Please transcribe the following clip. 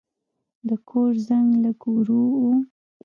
د کور زنګ لږ ورو و.